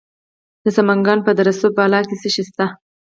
د سمنګان په دره صوف بالا کې څه شی شته؟